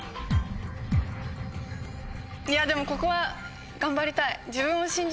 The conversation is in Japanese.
いやでもここは頑張りたい。